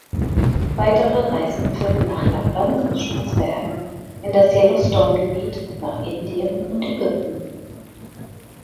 Weitere Reisen führten nach Lappland, Spitzbergen, in das Yellowstone-Gebiet, nach Indien und Ägypten.